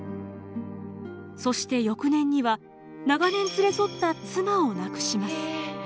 そして翌年には長年連れ添った妻を亡くします。